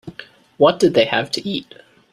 What did they have to eat?